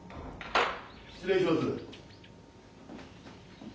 失礼します。